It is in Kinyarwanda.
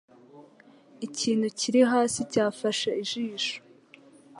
Ikintu kiri hasi cyafashe ijisho